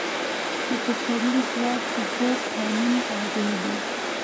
د پسرلي ځواک د هوک قانون تابع دی.